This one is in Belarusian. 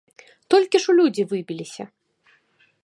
Толькі ж у людзі выбіліся!